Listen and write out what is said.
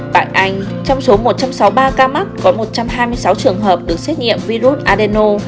tại anh trong số một trăm sáu mươi ba ca mắc có một trăm hai mươi sáu trường hợp được xét nghiệm virus adeno